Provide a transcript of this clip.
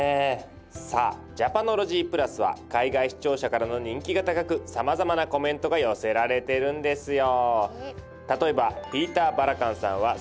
さあ「ＪａｐａｎｏｌｏｇｙＰｌｕｓ」は海外視聴者からの人気が高くさまざまなコメントが寄せられてるんですよ。